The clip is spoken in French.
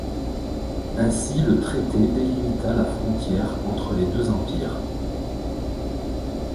Ainsi le traité délimita la frontière entre les deux empires.